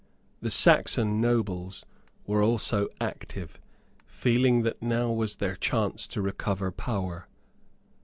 The Saxon nobles were also active, feeling that now was their chance to recover power.